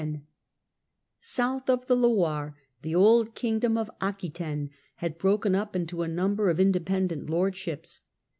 Aquitaine South of the Loirc, the old kingdom of Aquitaine had broken up into a number of independent lordships.